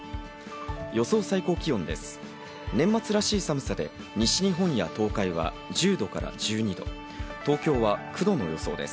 予想最高気温です。